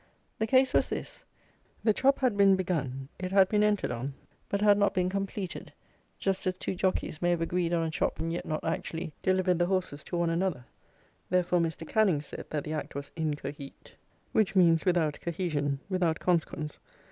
The case was this: the chop had been begun; it had been entered on; but had not been completed; just as two jockeys may have agreed on a chop and yet not actually delivered the horses to one another. Therefore, Mr. Canning said that the act was incohete, which means, without cohesion, without consequence.